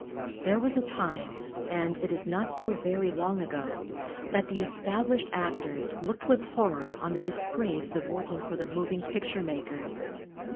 There was a time, and it is not so very long ago, that the established actors looked with horror on the disgrace of working for the Moving Picture makers.